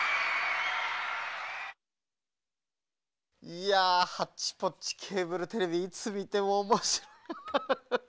いやハッチポッチケーブルテレビいつみてもおもしろいフフフ。